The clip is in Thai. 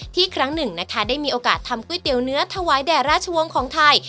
ครั้งหนึ่งนะคะได้มีโอกาสทำก๋วยเตี๋ยวเนื้อถวายแด่ราชวงศ์ของไทย